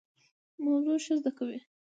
موضوع ښه زده کوي.